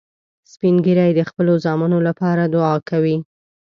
سپین ږیری د خپلو زامنو لپاره دعا کوي